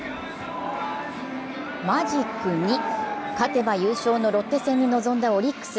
マジック２、勝てば優勝のロッテ戦に臨んだオリックス。